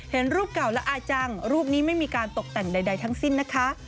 เห็นรูปเก่าและอาจังรูปนี้ไม่มีการตกแต่งใดทั้งสิ้นนะคะ